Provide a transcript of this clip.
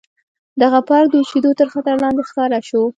دغه پارک د وچېدو تر خطر لاندې ښکاره شو.